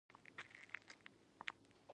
_کوم کار مو سم دی؟